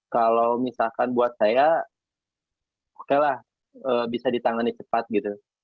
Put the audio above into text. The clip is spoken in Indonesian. kalau misalkan buat saya oke lah bisa ditangani cepat gitu